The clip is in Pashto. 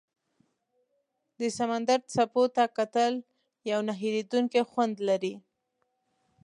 د سمندر څپو ته کتل یو نه هېریدونکی خوند لري.